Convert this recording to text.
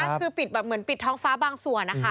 คือปิดแบบเหมือนปิดท้องฟ้าบางส่วนนะคะ